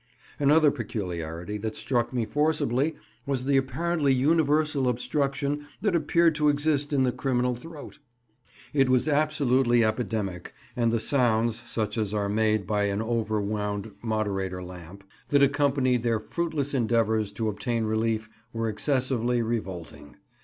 Another peculiarity that struck me forcibly was the apparently universal obstruction that appeared to exist in the criminal throat. It was absolutely epidemic, and the sounds—such as are made by an over wound moderator lamp—that accompanied their fruitless endeavours to obtain relief were excessively revolting.